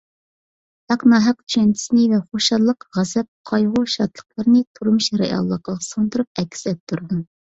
ھەق – ناھەق چۈشەنچىسىنى ۋە خۇشاللىق، غەزەپ، قايغۇ، شادلىقلىرىنى تۇرمۇش رېئاللىقىغا سىڭدۈرۈپ ئەكس ئەتتۈرىدۇ.